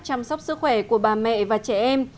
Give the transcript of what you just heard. chăm sóc sức khỏe của bà mẹ và trẻ em